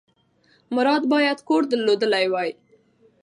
مراد باید کور درلودلی وای.